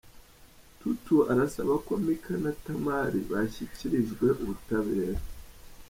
Tutu arasaba ko mika na tamari bashyikirijwe ubutabera